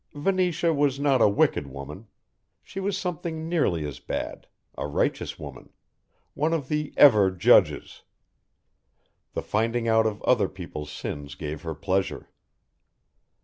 Venetia was not a wicked woman, she was something nearly as bad, a Righteous woman, one of the Ever judges. The finding out of other people's sins gave her pleasure.